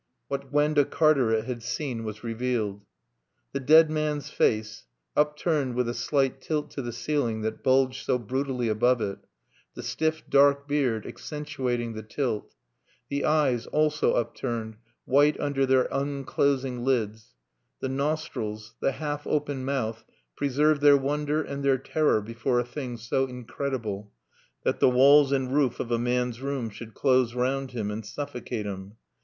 What Gwenda Cartaret had seen was revealed. The dead man's face, upturned with a slight tilt to the ceiling that bulged so brutally above it, the stiff dark beard accentuating the tilt, the eyes, also upturned, white under their unclosing lids, the nostrils, the half open mouth preserved their wonder and their terror before a thing so incredible that the walls and roof of a man's room should close round him and suffocate him.